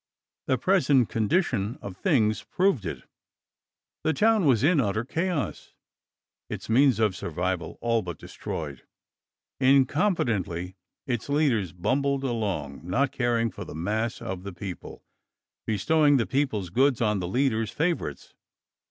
The present condition of things proved it. The town was in utter chaos, its means of survival all but destroyed. Incompetently, its leaders bumbled along, not caring for the mass of the people, bestowing the people's goods on the leaders' favorites.